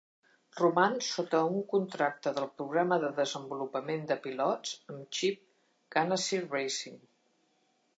Roman sota un contracte del programa de desenvolupament de pilots amb Chip Ganassi Racing.